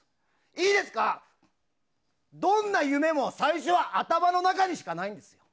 いいですか、どんな夢も最初は頭の中にしかないんです。